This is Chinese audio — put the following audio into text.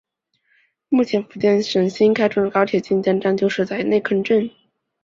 目前福建省新开通的高铁晋江站就设在内坑镇。